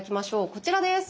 こちらです。